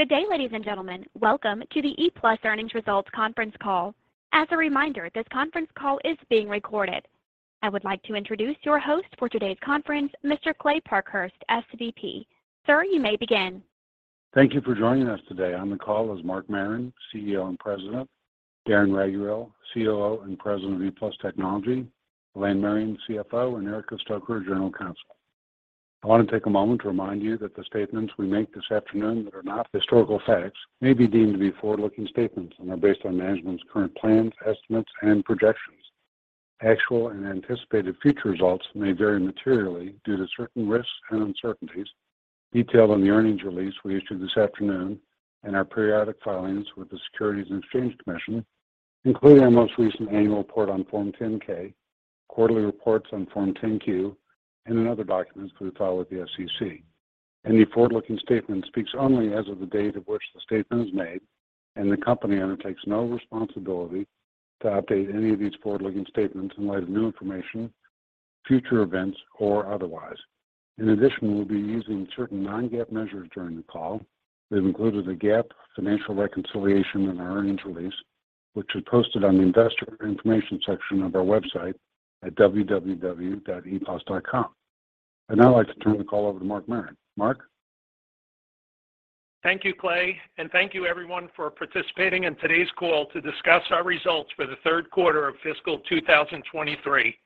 Good day, ladies and gentlemen. Welcome to the ePlus Earnings Results Conference Call. As a reminder, this conference call is being recorded. I would like to introduce your host for today's conference, Mr. Kley Parkhurst, SVP. Sir, you may begin. Thank you for joining us today. On the call is Mark Marron, CEO and President, Darren Raiguel, COO and President of ePlus Technology, Elaine Marion, CFO, and Erica Stoecker, General Counsel. I wanna take a moment to remind you that the statements we make this afternoon that are not historical facts may be deemed to be forward-looking statements and are based on management's current plans, estimates, and projections. Actual and anticipated future results may vary materially due to certain risks and uncertainties detailed in the earnings release we issued this afternoon and our periodic filings with the Securities and Exchange Commission, including our most recent annual report on Form 10-K, quarterly reports on Form 10-Q, and in other documents we file with the SEC. Any forward-looking statement speaks only as of the date of which the statement is made, and the company undertakes no responsibility to update any of these forward-looking statements in light of new information, future events, or otherwise. In addition, we'll be using certain non-GAAP measures during the call. We've included a GAAP financial reconciliation in our earnings release, which is posted on the investor information section of our website at www.eplus.com. I'd now like to turn the call over to Mark Marron. Mark? Thank you, Kley, thank you everyone for participating in today's call to discuss our results for the third quarter of fiscal 2023.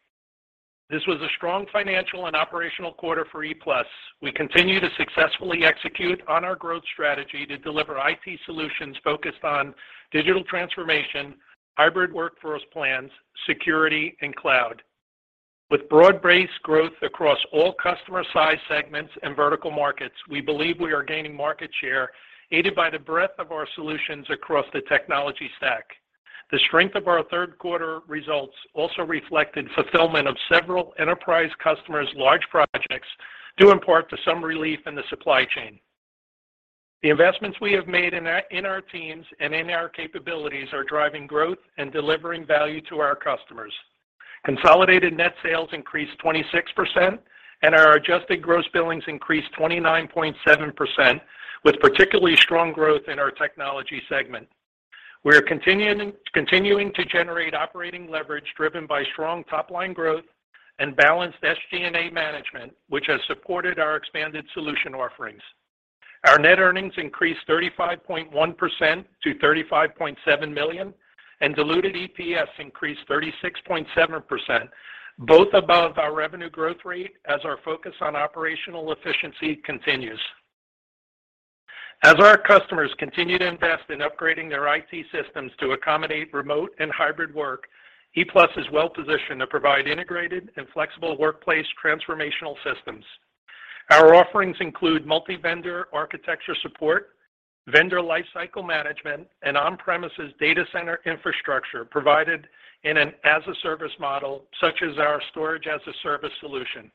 This was a strong financial and operational quarter for ePlus. We continue to successfully execute on our growth strategy to deliver IT solutions focused on digital transformation, hybrid workforce plans, security, and cloud. With broad-based growth across all customer size segments and vertical markets, we believe we are gaining market share, aided by the breadth of our solutions across the technology stack. The strength of our third quarter results also reflected fulfillment of several enterprise customers' large projects due in part to some relief in the supply chain. The investments we have made in our teams and in our capabilities are driving growth and delivering value to our customers. Consolidated net sales increased 26%. Our adjusted gross billings increased 29.7%, with particularly strong growth in our technology segment. We are continuing to generate operating leverage driven by strong top-line growth and balanced SG&A management, which has supported our expanded solution offerings. Our net earnings increased 35.1% to $35.7 million. Diluted EPS increased 36.7%, both above our revenue growth rate as our focus on operational efficiency continues. As our customers continue to invest in upgrading their IT systems to accommodate remote and hybrid work, ePlus is well-positioned to provide integrated and flexible workplace transformational systems. Our offerings include multi-vendor architecture support, vendor lifecycle management, and on-premises data center infrastructure provided in an as-a-service model, such as our Storage-as-a-Service solution.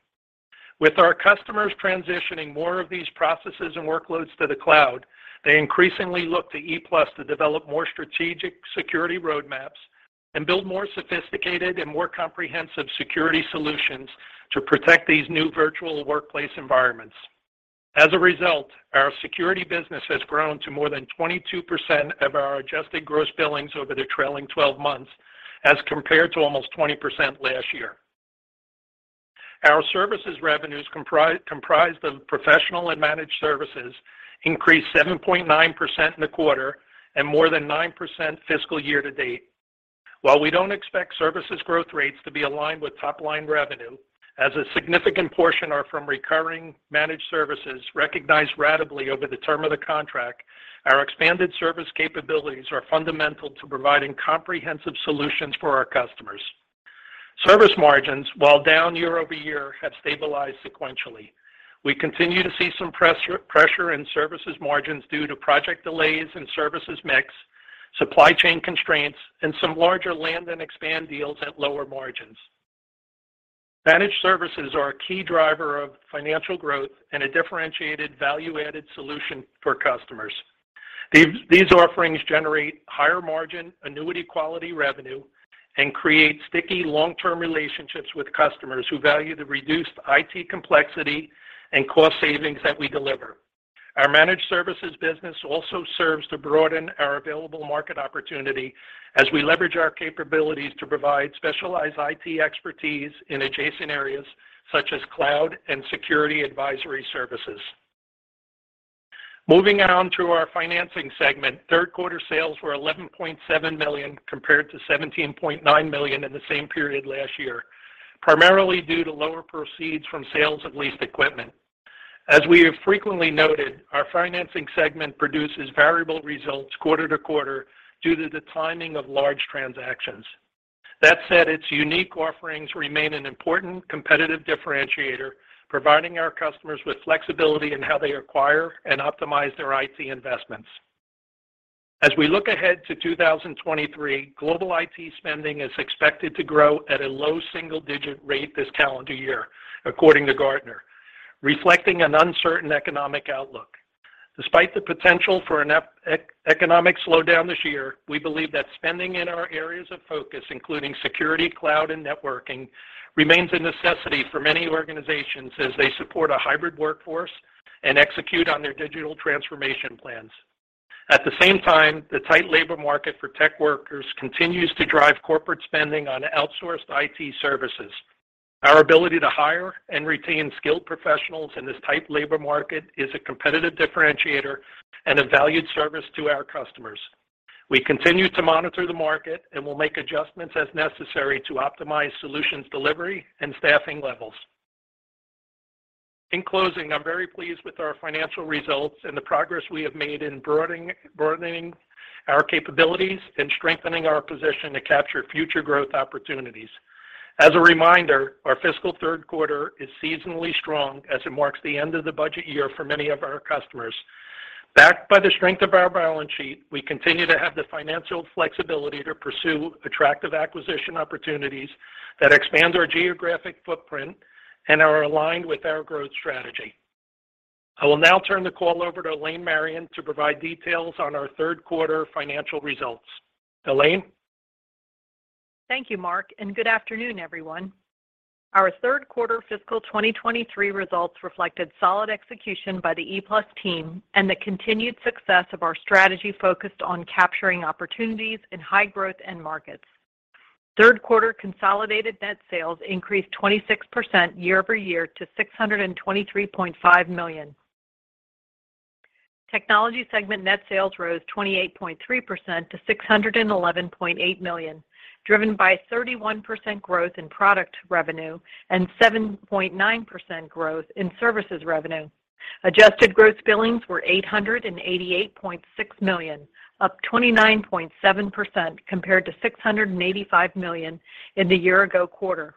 With our customers transitioning more of these processes and workloads to the cloud, they increasingly look to ePlus to develop more strategic security roadmaps and build more sophisticated and more comprehensive security solutions to protect these new virtual workplace environments. As a result, our security business has grown to more than 22% of our adjusted gross billings over the trailing 12 months, as compared to almost 20% last year. Our services revenues comprised of professional and managed services increased 7.9% in the quarter and more than 9% fiscal year to date. While we don't expect services growth rates to be aligned with top-line revenue, as a significant portion are from recurring managed services recognized ratably over the term of the contract, our expanded service capabilities are fundamental to providing comprehensive solutions for our customers. Service margins, while down year-over-year, have stabilized sequentially. We continue to see some pressure in services margins due to project delays and services mix, supply chain constraints, and some larger Land and Expand deals at lower margins. Managed services are a key driver of financial growth and a differentiated value-added solution for customers. These offerings generate higher margin, annuity-quality revenue and create sticky long-term relationships with customers who value the reduced IT complexity and cost savings that we deliver. Our managed services business also serves to broaden our available market opportunity as we leverage our capabilities to provide specialized IT expertise in adjacent areas such as cloud and security advisory services. Moving on to our financing segment, third quarter sales were $11.7 million compared to $17.9 million in the same period last year, primarily due to lower proceeds from sales of leased equipment. As we have frequently noted, our financing segment produces variable results quarter to quarter due to the timing of large transactions. Its unique offerings remain an important competitive differentiator, providing our customers with flexibility in how they acquire and optimize their IT investments. As we look ahead to 2023, global IT spending is expected to grow at a low single-digit rate this calendar year, according to Gartner, reflecting an uncertain economic outlook. Despite the potential for an economic slowdown this year, we believe that spending in our areas of focus, including security, cloud, and networking, remains a necessity for many organizations as they support a hybrid workforce and execute on their digital transformation plans. The tight labor market for tech workers continues to drive corporate spending on outsourced IT services. Our ability to hire and retain skilled professionals in this tight labor market is a competitive differentiator and a valued service to our customers. We continue to monitor the market, we'll make adjustments as necessary to optimize solutions delivery and staffing levels. In closing, I'm very pleased with our financial results and the progress we have made in broadening our capabilities and strengthening our position to capture future growth opportunities. As a reminder, our fiscal third quarter is seasonally strong as it marks the end of the budget year for many of our customers. Backed by the strength of our balance sheet, we continue to have the financial flexibility to pursue attractive acquisition opportunities that expand our geographic footprint and are aligned with our growth strategy. I will now turn the call over to Elaine Marion to provide details on our third quarter financial results. Elaine? Thank you, Mark, good afternoon, everyone. Our third quarter fiscal 2023 results reflected solid execution by the ePlus team and the continued success of our strategy focused on capturing opportunities in high-growth end markets. Third quarter consolidated net sales increased 26% year-over-year to $623.5 million. Technology segment net sales rose 28.3% to $611.8 million, driven by 31% growth in product revenue and 7.9% growth in services revenue. Adjusted gross billings were $888.6 million, up 29.7% compared to $685 million in the year-ago quarter.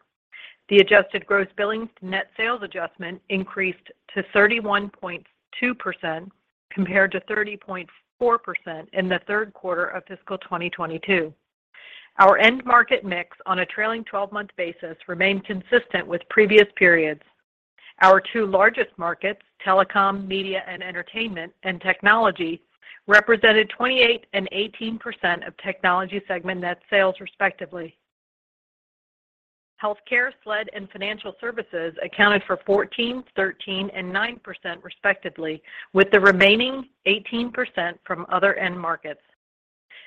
The adjusted gross billings to net sales adjustment increased to 31.2% compared to 30.4% in the third quarter of fiscal 2022. Our end market mix on a trailing twelve-month basis remained consistent with previous periods. Our two largest markets, telecom, media and entertainment, and technology, represented 28% and 18% of technology segment net sales respectively. Healthcare, SLED, and financial services accounted for 14%, 13%, and 9% respectively, with the remaining 18% from other end markets.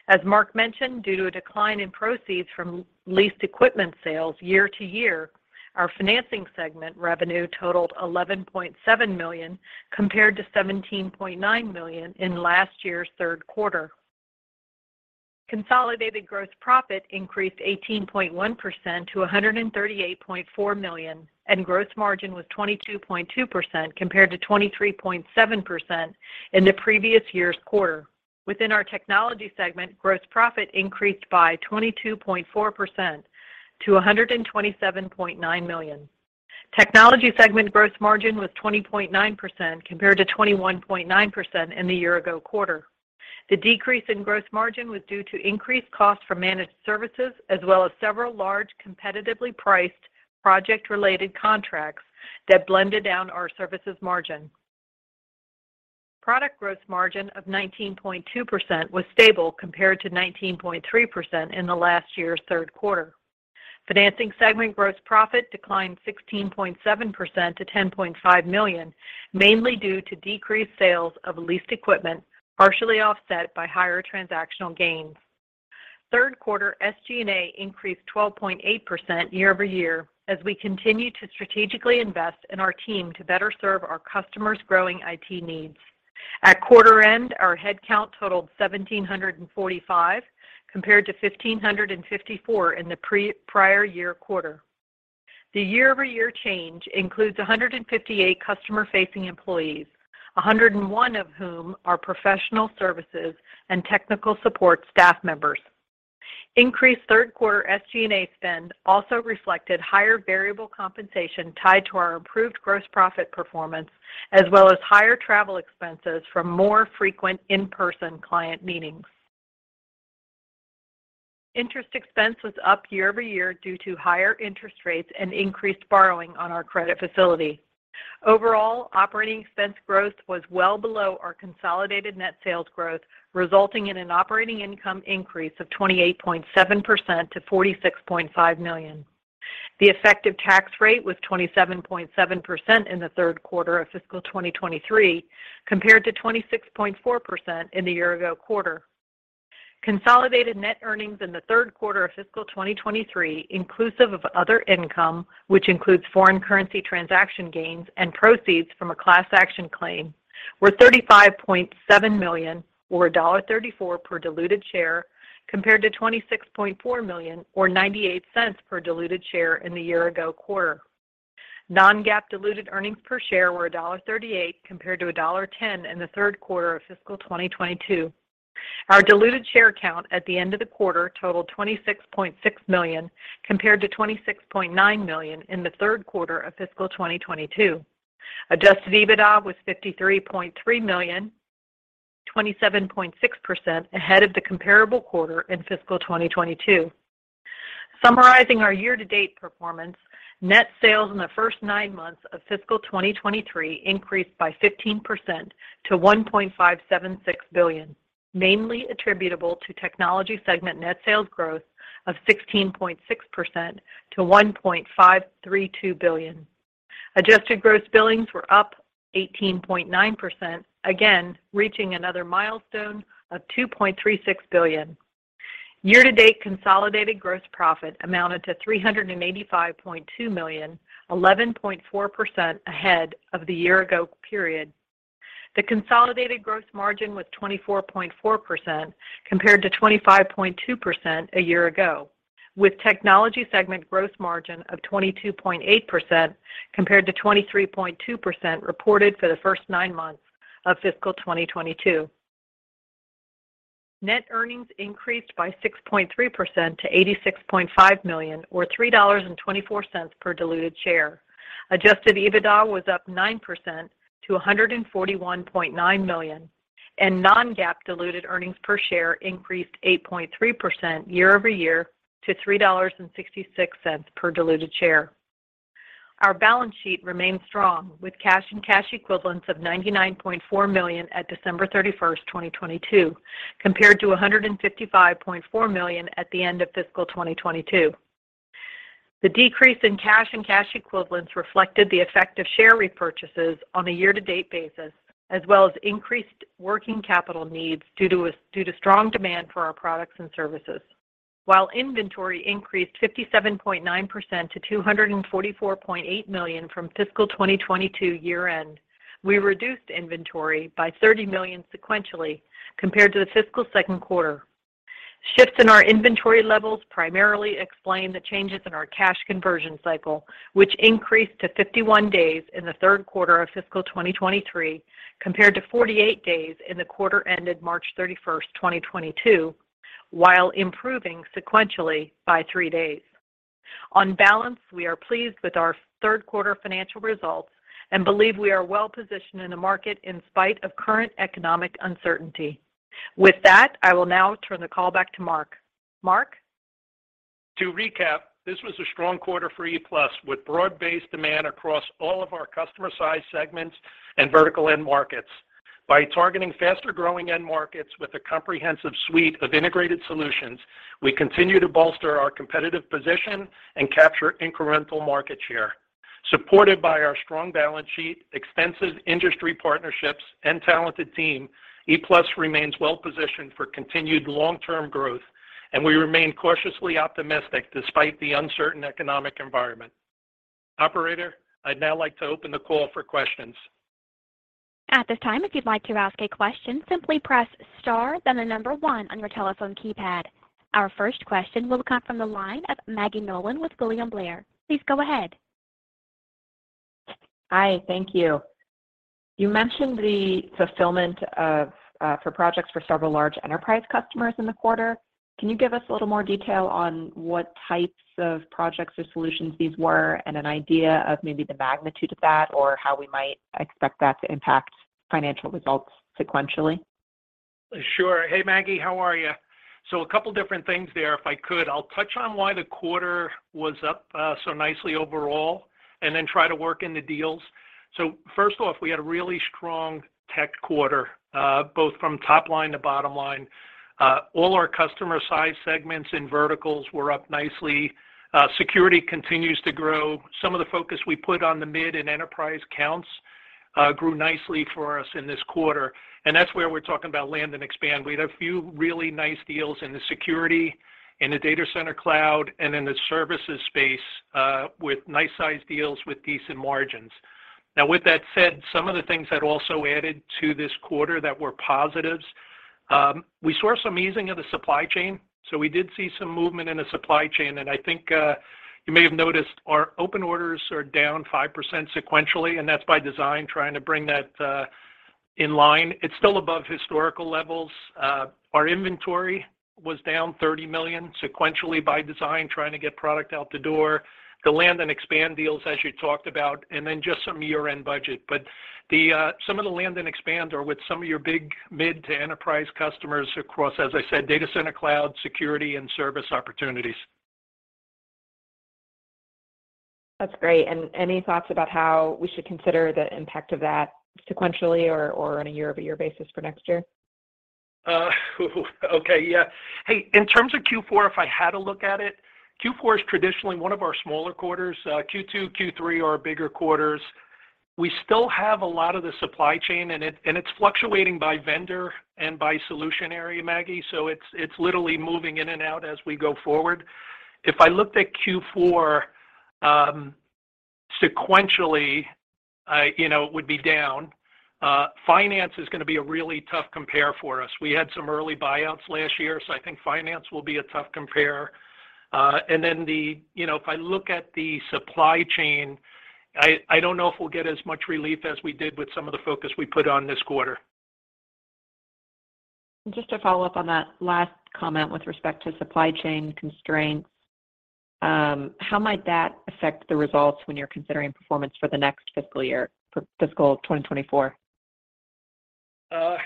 As Mark mentioned, due to a decline in proceeds from leased equipment sales year-to-year, our financing segment revenue totaled $11.7 million, compared to $17.9 million in last year's third quarter. Consolidated gross profit increased 18.1% to $138.4 million, and gross margin was 22.2% compared to 23.7% in the previous year's quarter. Within our technology segment, gross profit increased by 22.4% to $127.9 million. Technology segment gross margin was 20.9% compared to 21.9% in the year ago quarter. The decrease in gross margin was due to increased costs for managed services as well as several large competitively priced project-related contracts that blended down our services margin. Product gross margin of 19.2% was stable compared to 19.3% in the last year's third quarter. Financing segment gross profit declined 16.7% to $10.5 million, mainly due to decreased sales of leased equipment, partially offset by higher transactional gains. Third quarter SG&A increased 12.8% year-over-year as we continue to strategically invest in our team to better serve our customers' growing IT needs. At quarter end, our headcount totaled 1,745, compared to 1,554 in the pre-prior year quarter. The year-over-year change includes 158 customer-facing employees, 101 of whom are professional services and technical support staff members. Increased third quarter SG&A spend also reflected higher variable compensation tied to our improved gross profit performance, as well as higher travel expenses from more frequent in-person client meetings. Interest expense was up year-over-year due to higher interest rates and increased borrowing on our credit facility. Overall, operating expense growth was well below our consolidated net sales growth, resulting in an operating income increase of 28.7% to $46.5 million. The effective tax rate was 27.7% in the third quarter of fiscal 2023, compared to 26.4% in the year ago quarter. Consolidated net earnings in the third quarter of fiscal 2023, inclusive of other income, which includes foreign currency transaction gains and proceeds from a class action claim, were $35.7 million, or $1.34 per diluted share, compared to $26.4 million, or $0.98 per diluted share in the year ago quarter. Non-GAAP diluted earnings per share were $1.38 compared to $1.10 in the third quarter of fiscal 2022. Our diluted share count at the end of the quarter totaled 26.6 million compared to 26.9 million in the third quarter of fiscal 2022. Adjusted EBITDA was $53.3 million, 27.6% ahead of the comparable quarter in fiscal 2022. Summarizing our year-to-date performance, net sales in the first nine months of fiscal 2023 increased by 15% to $1.576 billion, mainly attributable to technology segment net sales growth of 16.6% to $1.532 billion. Adjusted gross billings were up 18.9%, again, reaching another milestone of $2.36 billion. Year-to-date consolidated gross profit amounted to $385.2 million, 11.4% ahead of the year ago period. The consolidated gross margin was 24.4% compared to 24.2% a year ago, with technology segment gross margin of 22.8% compared to 23.2% reported for the first 9 months of fiscal 2022. Net earnings increased by 6.3% to $86.5 million, or $3.24 per diluted share. Adjusted EBITDA was up 9% to $141.9 million, and non-GAAP diluted earnings per share increased 8.3% year-over-year to $3.66 per diluted share. Our balance sheet remains strong, with cash and cash equivalents of $99.4 million at December 31, 2022, compared to $155.4 million at the end of fiscal 2022. The decrease in cash and cash equivalents reflected the effect of share repurchases on a year-to-date basis, as well as increased working capital needs due to strong demand for our products and services. While inventory increased 57.9% to $244.8 million from fiscal 2022 year-end, we reduced inventory by $30 million sequentially compared to the fiscal second quarter. Shifts in our inventory levels primarily explain the changes in our cash conversion cycle, which increased to 51 days in the third quarter of fiscal 2023, compared to 48 days in the quarter ended March 31, 2022, while improving sequentially by three days. On balance, we are pleased with our third quarter financial results and believe we are well-positioned in the market in spite of current economic uncertainty. With that, I will now turn the call back to Mark. Mark? To recap, this was a strong quarter for ePlus, with broad-based demand across all of our customer size segments and vertical end markets. By targeting faster-growing end markets with a comprehensive suite of integrated solutions, we continue to bolster our competitive position and capture incremental market share. Supported by our strong balance sheet, extensive industry partnerships, and talented team, ePlus remains well positioned for continued long-term growth, and we remain cautiously optimistic despite the uncertain economic environment. Operator, I'd now like to open the call for questions. At this time, if you'd like to ask a question, simply press star then the number one on your telephone keypad. Our first question will come from the line of Maggie Nolan with William Blair. Please go ahead. Hi, thank you. You mentioned the fulfillment of, for projects for several large enterprise customers in the quarter. Can you give us a little more detail on what types of projects or solutions these were and an idea of maybe the magnitude of that or how we might expect that to impact financial results sequentially? Sure. Hey, Maggie, how are you? A couple different things there, if I could. I'll touch on why the quarter was up so nicely overall and then try to work in the deals. First off, we had a really strong tech quarter, both from top line to bottom line. All our customer size segments and verticals were up nicely. Security continues to grow. Some of the focus we put on the mid and enterprise counts grew nicely for us in this quarter. That's where we're talking about Land and Expand. We had a few really nice deals in the security, in the data center cloud, and in the services space, with nice size deals with decent margins. With that said, some of the things that also added to this quarter that were positives, we saw some easing of the supply chain. We did see some movement in the supply chain. I think you may have noticed our open orders are down 5% sequentially, and that's by design, trying to bring that in line. It's still above historical levels. Our inventory was down $30 million sequentially by design, trying to get product out the door, the Land and Expand deals, as you talked about, and then just some year-end budget. The some of the Land and Expand are with some of your big mid to enterprise customers across, as I said, data center, cloud, security, and service opportunities. That's great. Any thoughts about how we should consider the impact of that sequentially or on a year-over-year basis for next year? Okay, yeah. Hey, in terms of Q4, if I had to look at it, Q4 is traditionally one of our smaller quarters. Q2, Q3 are our bigger quarters. We still have a lot of the supply chain, and it's fluctuating by vendor and by solution area, Maggie. It's, it's literally moving in and out as we go forward. If I looked at Q4, sequentially, you know, it would be down. Finance is gonna be a really tough compare for us. We had some early buyouts last year, I think finance will be a tough compare. You know, if I look at the supply chain, I don't know if we'll get as much relief as we did with some of the focus we put on this quarter. Just to follow up on that last comment with respect to supply chain constraints, how might that affect the results when you're considering performance for the next fiscal year, for fiscal 2024?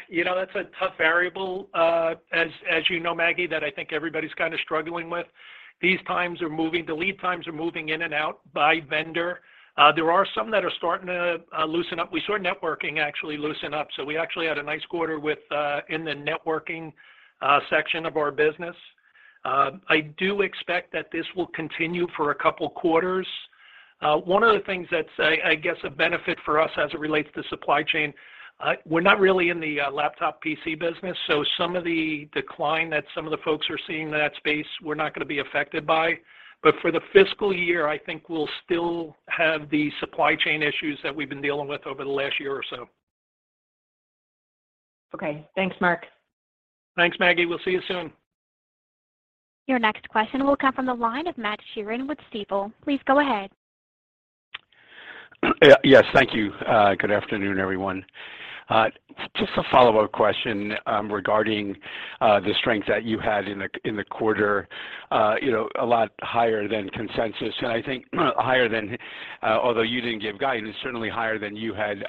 You know, that's a tough variable, as you know, Maggie, that I think everybody's kind of struggling with. The lead times are moving in and out by vendor. There are some that are starting to loosen up. We saw networking actually loosen up, so we actually had a nice quarter with in the networking section of our business. I do expect that this will continue for two quarters. One of the things that's, I guess, a benefit for us as it relates to supply chain, we're not really in the laptop PC business, so some of the decline that some of the folks are seeing in that space, we're not gonna be affected by. For the fiscal year, I think we'll still have the supply chain issues that we've been dealing with over the last year or so. Okay. Thanks, Mark. Thanks, Maggie. We'll see you soon. Your next question will come from the line of Matt Sheerin with Stifel. Please go ahead. Yeah. Yes, thank you. Good afternoon, everyone. Just a follow-up question, regarding the strength that you had in the quarter. You know, a lot higher than consensus, and I think higher than, although you didn't give guidance, certainly higher than you had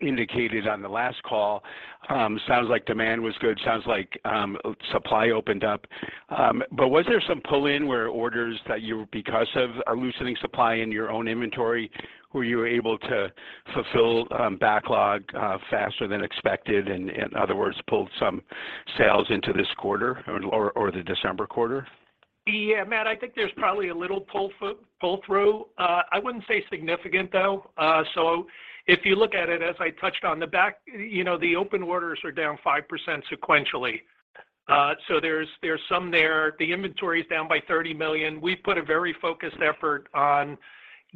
indicated on the last call. Sounds like demand was good. Sounds like supply opened up. Was there some pull-in where because of a loosening supply in your own inventory, were you able to fulfill backlog faster than expected, and, in other words, pull some sales into this quarter or the December quarter? Yeah. Matt, I think there's probably a little pull through. I wouldn't say significant, though. So if you look at it, as I touched on the back, you know, the open orders are down 5% sequentially. So there's some there. The inventory is down by $30 million. We've put a very focused effort on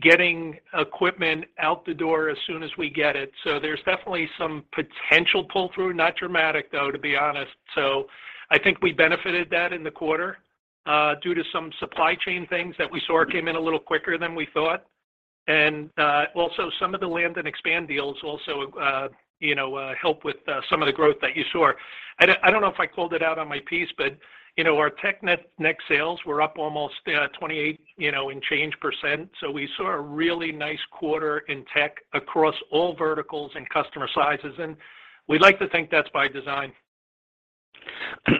getting equipment out the door as soon as we get it. So there's definitely some potential pull through. Not dramatic, though, to be honest. So I think we benefited that in the quarter, due to some supply chain things that we saw came in a little quicker than we thought. Also some of the Land and Expand deals also, you know, helped with, some of the growth that you saw. I don't know if I called it out on my piece, but, you know, our tech net sales were up almost 28, you know, and change %. We saw a really nice quarter in tech across all verticals and customer sizes, and we like to think that's by design.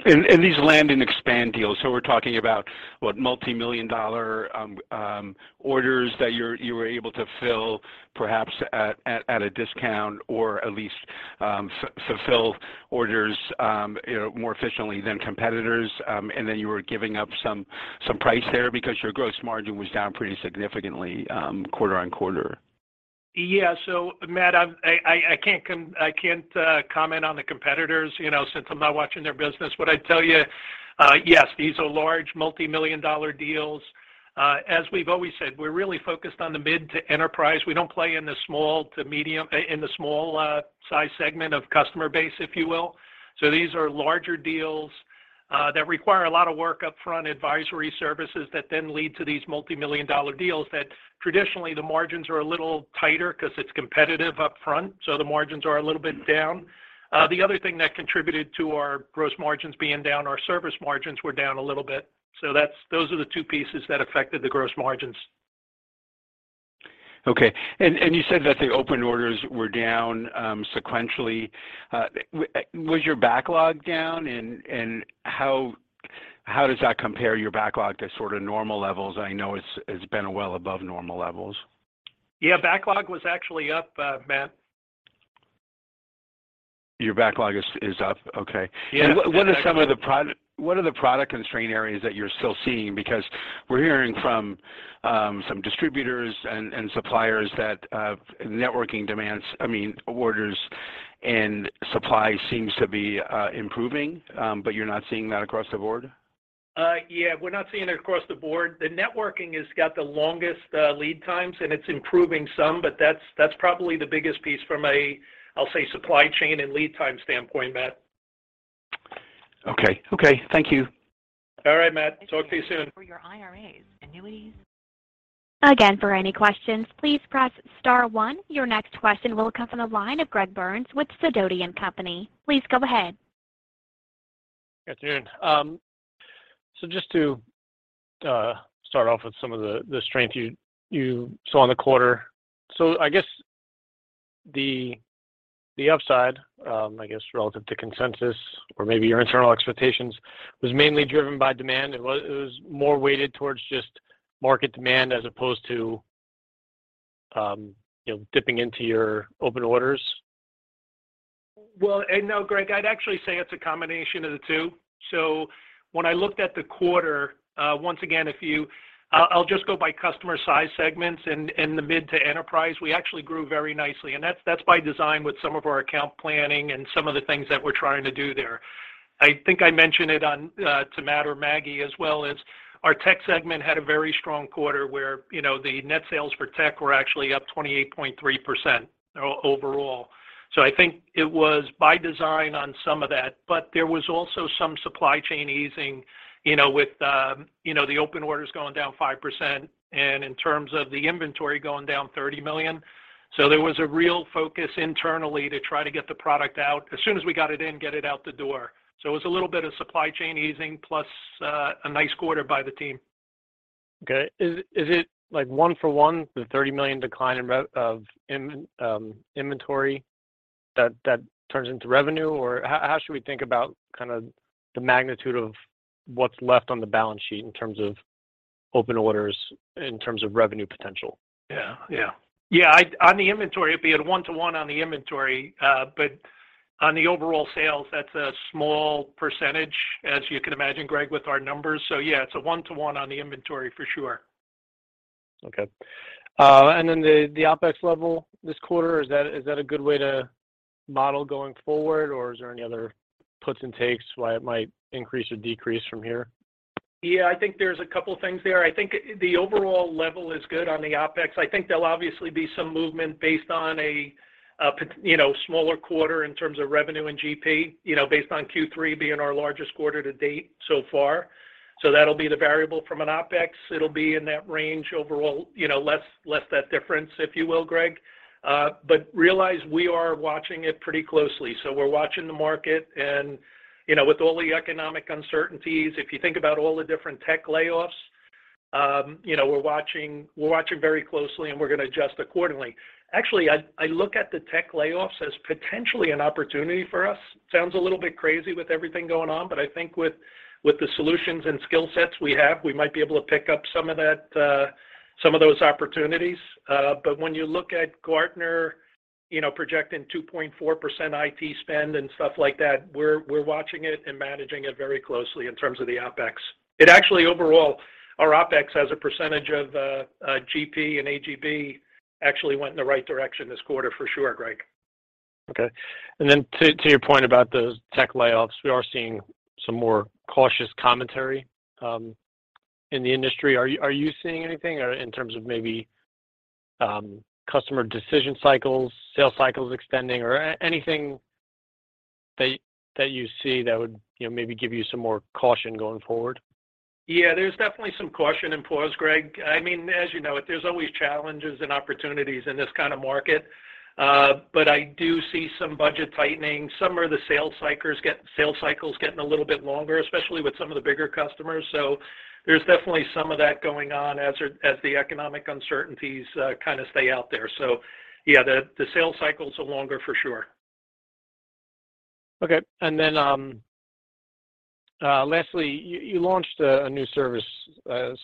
These Land and Expand deals, so we're talking about what, multimillion-dollar orders that you're, you were able to fill perhaps at, at a discount or at least, you know, more efficiently than competitors. Then you were giving up some price there because your gross margin was down pretty significantly quarter-over-quarter. Yeah. Matt, I can't comment on the competitors, you know, since I'm not watching their business. What I'd tell you, yes, these are large multimillion-dollar deals. As we've always said, we're really focused on the mid to enterprise. We don't play in the small size segment of customer base, if you will. These are larger deals that require a lot of work upfront, advisory services that then lead to these multimillion-dollar deals that traditionally the margins are a little tighter 'cause it's competitive upfront, so the margins are a little bit down. The other thing that contributed to our gross margins being down, our service margins were down a little bit. Those are the two pieces that affected the gross margins. Okay. You said that the open orders were down, sequentially. was your backlog down and how does that compare your backlog to sort of normal levels? I know it's been well above normal levels. Yeah, backlog was actually up, Matt. Your backlog is up. Okay. Yeah. What are the product constraint areas that you're still seeing? We're hearing from, some distributors and suppliers that, networking demands, I mean, orders and supply seems to be, improving. You're not seeing that across the board? Yeah, we're not seeing it across the board. The networking has got the longest, lead times, and it's improving some, but that's probably the biggest piece from a, I'll say, supply chain and lead time standpoint, Matt. Okay. Okay. Thank you. All right, Matt. Talk to you soon. Again, for any questions, please press star one. Your next question will come from the line of Greg Burns with Sidoti & Company. Please go ahead. Good afternoon. Just to start off with some of the strength you saw in the quarter. I guess the upside, I guess, relative to consensus or maybe your internal expectations was mainly driven by demand. It was more weighted towards just market demand as opposed to, you know, dipping into your open orders? Well, no, Greg, I'd actually say it's a combination of the two. When I looked at the quarter, once again, I'll just go by customer size segments in the mid to enterprise. We actually grew very nicely, and that's by design with some of our account planning and some of the things that we're trying to do there. I think I mentioned it on to Matt or Maggie as well, is our Tech segment had a very strong quarter where, you know, the net sales for Tech were actually up 28.3% overall. I think it was by design on some of that. There was also some supply chain easing, you know, with, you know, the open orders going down 5% and in terms of the inventory going down $30 million. There was a real focus internally to try to get the product out. As soon as we got it in, get it out the door. It was a little bit of supply chain easing plus, a nice quarter by the team. Okay. Is it like one for one, the $30 million decline in inventory that turns into revenue? Or how should we think about kind of the magnitude of what's left on the balance sheet in terms of open orders, in terms of revenue potential? Yeah. Yeah. Yeah, on the inventory, it'd be a one-to-one on the inventory. On the overall sales, that's a small percentage, as you can imagine, Greg, with our numbers. Yeah, it's a one-to- on the inventory for sure. Okay. Then the OpEx level this quarter, is that a good way to model going forward, or is there any other puts and takes why it might increase or decrease from here? Yeah, I think there's a couple things there. I think the overall level is good on the OpEx. I think there'll obviously be some movement based on a, you know, smaller quarter in terms of revenue and GP, you know, based on Q3 being our largest quarter to date so far. That'll be the variable from an OpEx. It'll be in that range overall, you know, less that difference, if you will, Greg. Realize we are watching it pretty closely. We're watching the market and, you know, with all the economic uncertainties, if you think about all the different tech layoffs, you know, we're watching very closely, and we're gonna adjust accordingly. Actually, I look at the tech layoffs as potentially an opportunity for us. Sounds a little bit crazy with everything going on, but I think with the solutions and skill sets we have, we might be able to pick up some of that, some of those opportunities. When you look at Gartner, you know, projecting 2.4% IT spend and stuff like that, we're watching it and managing it very closely in terms of the OpEx. It actually overall our OpEx as a percentage of GP and AGB actually went in the right direction this quarter for sure, Greg. Okay. Then to your point about the tech layoffs, we are seeing some more cautious commentary in the industry. Are you seeing anything in terms of maybe, customer decision cycles, sales cycles extending or anything that you see that would, you know, maybe give you some more caution going forward? There's definitely some caution and pause, Greg. I mean, as you know, there's always challenges and opportunities in this kind of market. I do see some budget tightening. Some of the sales cycles getting a little bit longer, especially with some of the bigger customers. There's definitely some of that going on as the economic uncertainties kind of stay out there. The sales cycles are longer for sure. Okay. Lastly, you launched a new service,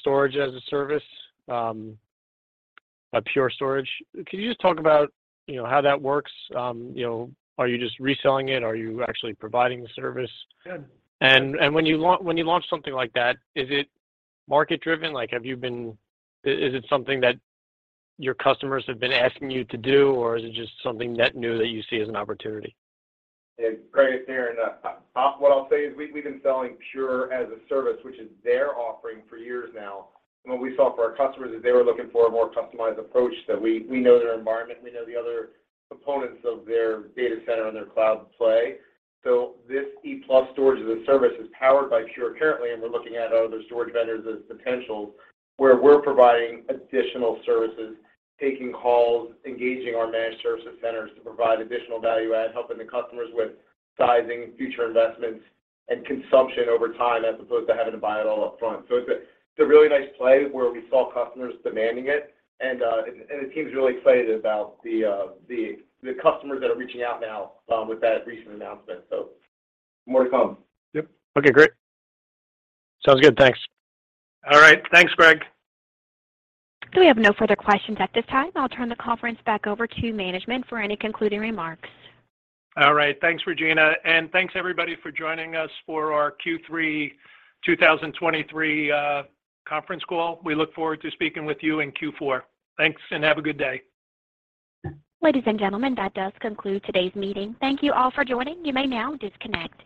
Storage-as-a-Service, a Pure Storage. Could you just talk about, you know, how that works? You know, are you just reselling it? Are you actually providing the service? Yeah. When you launch something like that, is it market-driven? Like, have you been... is it something that your customers have been asking you to do, or is it just something net new that you see as an opportunity? Yeah. Greg, it's Darren. What I'll say is we've been selling Pure as-a-Service, which is their offering for years now. What we saw for our customers is they were looking for a more customized approach that we know their environment, we know the other components of their data center and their cloud play. This ePlus Storage-as-a-Service is powered by Pure currently, and we're looking at other storage vendors as potentials, where we're providing additional services, taking calls, engaging our managed service centers to provide additional value add, helping the customers with sizing future investments and consumption over time, as opposed to having to buy it all up front. It's a really nice play where we saw customers demanding it. The team's really excited about the customers that are reaching out now, with that recent announcement. More to come. Yep. Okay, great. Sounds good. Thanks. All right. Thanks, Greg. We have no further questions at this time. I'll turn the conference back over to management for any concluding remarks. All right. Thanks, Regina. Thanks everybody for joining us for our Q3 2023 conference call. We look forward to speaking with you in Q4. Thanks, and have a good day. Ladies and gentlemen, that does conclude today's meeting. Thank you all for joining. You may now disconnect.